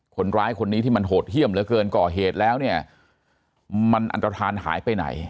คนร้ายคนนี้ที่มันโหดเยี่ยมเหลือเกินก่อเหตุแล้วเนี่ยมันอันตรฐานหายไปไหน